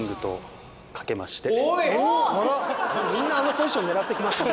みんなあのポジション狙ってきますね。